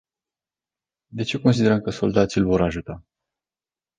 De ce considerăm că soldații îl vor ajuta?